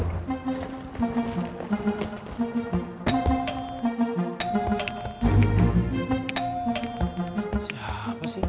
sorry tapi gue bakal tetep ketemu sama rifqi